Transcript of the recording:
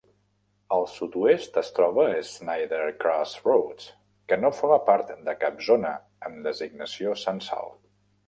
Al sud-oest es troba Schneider Crossroads, que no forma part de cap zona amb designació censal.